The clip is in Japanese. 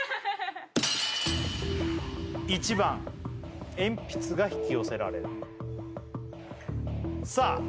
１番鉛筆が引き寄せられるさあ